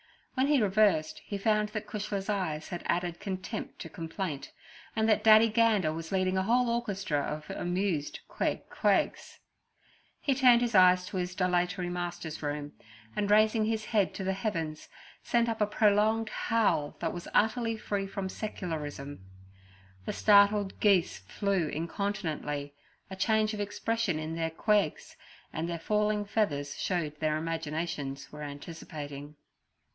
When he reversed, he found that Cushla's eyes had added contempt to complaint, and that Daddy Gander was leading a whole orchestra of amused 'Queg, quegs!' He turned his eyes to his dilatory master's room, and, raising his head to the heavens, sent up a prolonged howl that was utterly free from secularism. The startled geese flew incontinently, a change of expression in their 'Quegs' and their falling feathers showed their imaginations were anticipating.